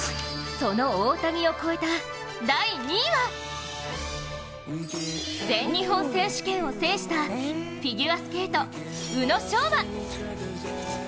その大谷を超えた第２位は全日本選手権を制したフィギュアスケート、宇野昌磨。